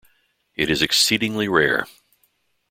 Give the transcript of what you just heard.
It is exceedingly rare.